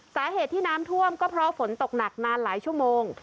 สาเหตุที่น้ำท่วมก็เพราะฝนตกหนักนานหลายชั่วโมง